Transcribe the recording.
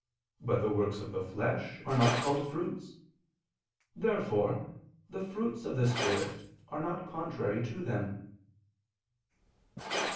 But the works of the flesh are not called fruits. Therefore the fruits of the Spirit are not contrary to them.